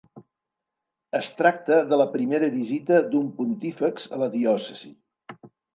Es tracta de la primera visita d'un Pontífex a la diòcesi.